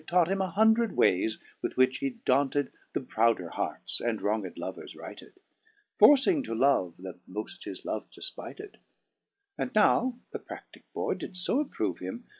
Taught him a hundred waycs with which he daunted The prouder hearts, and wronged lovers righted. Forcing to love that moft his love defpited : And now the pradlique boy did fo approove him.